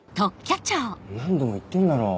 何度も言ってんだろ。